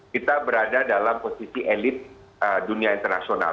kita berada dalam posisi elit dunia internasional